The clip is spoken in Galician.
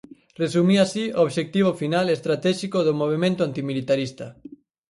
Resumía así o obxectivo final e estratéxico do movemento antimilitarista.